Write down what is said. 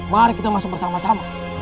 mari kita masuk bersama sama